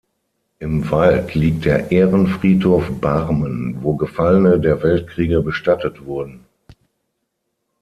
Im Wald liegt der Ehrenfriedhof Barmen, wo Gefallene der Weltkriege bestattet wurden.